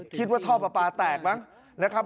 คิดว่าท่อปลาแตกมั้งนะครับ